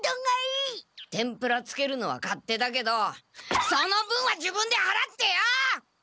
天ぷらつけるのは勝手だけどその分は自分ではらってよ！